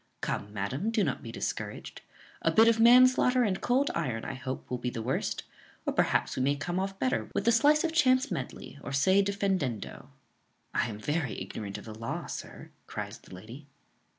Come, madam, do not be discouraged; a bit of manslaughter and cold iron, I hope, will be the worst: or perhaps we may come off better with a slice of chance medley, or se defendendo" "I am very ignorant of the law, sir," cries the lady.